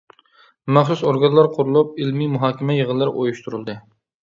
مەخسۇس ئورگانلار قۇرۇلۇپ، ئىلمىي مۇھاكىمە يىغىنلىرى ئۇيۇشتۇرۇلدى.